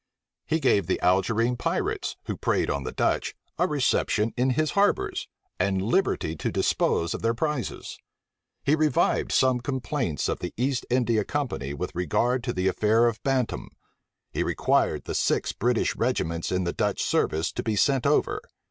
He gave the Algerine pirates, who preyed on the Dutch, a reception in his harbors, and liberty to dispose of their prizes. He revived some complaints of the East India Company with regard to the affair of Bantam,[*] He required the six British regiments in the Dutch service to be sent over.